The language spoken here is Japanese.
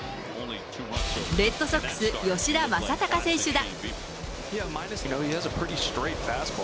レッドソックス、吉田正尚選手だ。